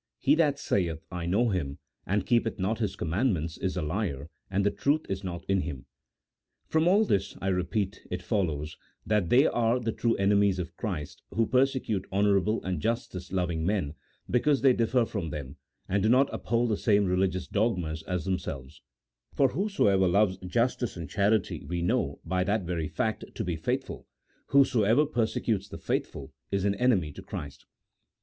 He that saith, I know Him, and keepeth not His command ments, is a liar, and the truth is not in him." From all this, I repeat, it follows that they are the true enemies of Christ who persecute honourable and justice loving men because they differ from them, and do not uphold the same religious dogmas as themselves : for who soever loves justice and charity we know, by that very fact, to be faithful: whosoever persecutes the faithful, is an enemy to Christ.